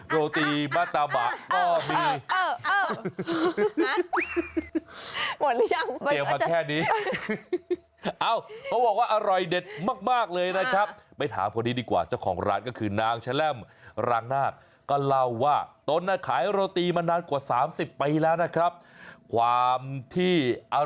โรตีบาตาบะก็มี